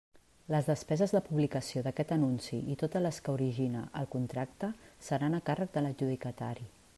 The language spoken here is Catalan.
Les despeses de publicació d'aquest anunci i totes les que origine el contracte seran a càrrec de l'adjudicatari.